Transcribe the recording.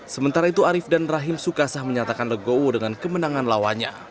sementara itu arief dan rahim sukasah menyatakan legowo dengan kemenangan lawannya